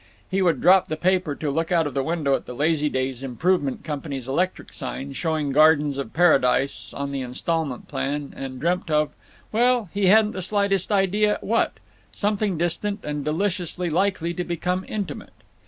] He would drop the paper to look out of the window at the Lazydays Improvement Company's electric sign, showing gardens of paradise on the instalment plan, and dream of—well, he hadn't the slightest idea what—something distant and deliciously likely to become intimate.